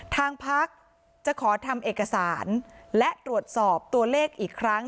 ทางพักจะขอทำเอกสารและตรวจสอบตัวเลขอีกครั้ง